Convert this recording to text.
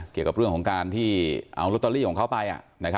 เกี่ยวกับเรื่องของการที่เอาลอตเตอรี่ของเขาไป